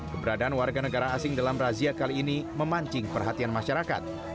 keberadaan warga negara asing dalam razia kali ini memancing perhatian masyarakat